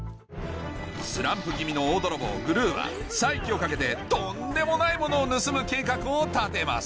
スランプ気味の大泥棒グルーは再起を懸けてとんでもないものを盗む計画を立てます